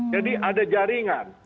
jadi ada jaringan